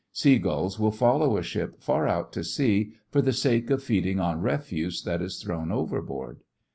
Sea gulls will follow a ship far out to sea for the sake of feeding on refuse that is thrown overboard.